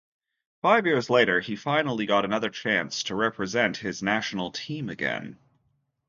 Five years later, he finally got another chance to represent his national team again.